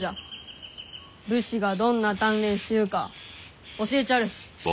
武士がどんな鍛錬しゆうか教えちゃる。